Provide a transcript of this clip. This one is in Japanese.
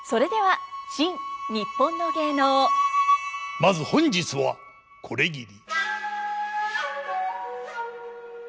まず本日はこれぎり。